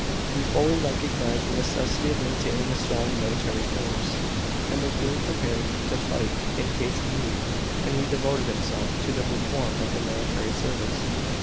He fully recognised the necessity of maintaining a strong military force, and of being prepared to fight in case of need ; and he devoted himself to the reform of the military service.